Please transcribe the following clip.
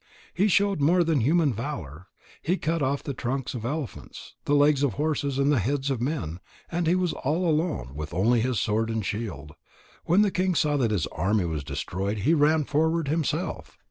He showed more than human valour. He cut off the trunks of elephants, the legs of horses, and the heads of men; and he was all alone, with only his sword and shield. When the king saw that his army was destroyed, he ran forward himself.